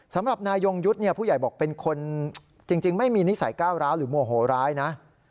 สำหรับนายยงยุทธ์เนี่ยผู้ใหญ่บอกเป็นคนจริงไม่มีนิสัยก้าวร้าวหรือโมโหร้ายนะ